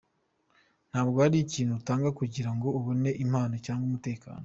Ntabwo ari ikintu utanga kugira ngo ubone impano, cyangwa umutekano.